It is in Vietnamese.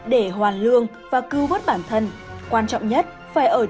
để hoàn lương và cư bớt bản thân quan trọng nhất phải ở chính mình